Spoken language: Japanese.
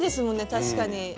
確かに。